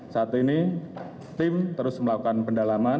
saat ini tim terus melakukan pendalaman